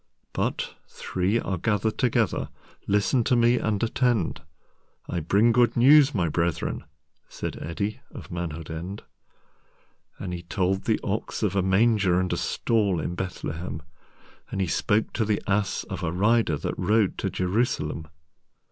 "But—three are gathered together—Listen to me and attend.I bring good news, my brethren!"Said Eddi of Manhood End.And he told the Ox of a MangerAnd a Stall in Bethlehem, And he spoke to the Ass of a Rider, That rode to Jerusalem.